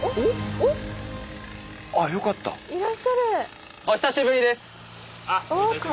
お久しぶりです。